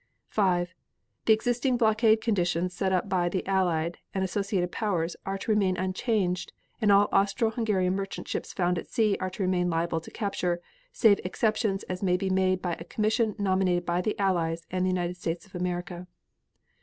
5. The existing blockade conditions set up by the Allied and associated Powers are to remain unchanged and all Austro Hungarian merchant ships found at sea are to remain liable to capture, save exceptions may be made by a commission nominated by the Allies and the United States of America.